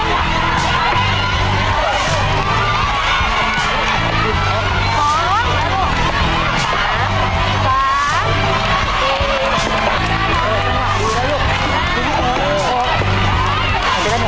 เออเออเงิน